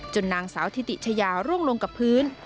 นางสาวธิติชายาร่วงลงกับพื้น